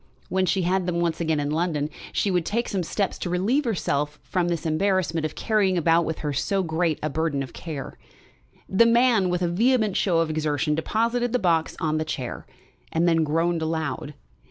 When she had them once again in London she would take some steps to relieve herself from this embarrassment of carrying about with her so great a burthen of care. The man, with a vehement show of exertion, deposited the box on a chair, and then groaned aloud.